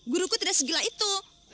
guruku tidak segila itu